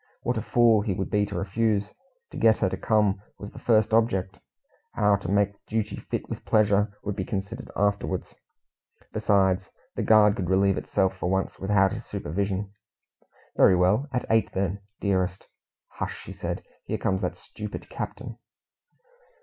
What a fool he would be to refuse. To get her to come was the first object; how to make duty fit with pleasure would be considered afterwards. Besides, the guard could relieve itself for once without his supervision. "Very well, at eight then, dearest." "Hush!" said she. "Here comes that stupid captain."